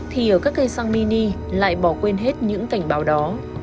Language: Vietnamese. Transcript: thì ở các cây xăng mini lại bỏ quên hết những cảnh báo đó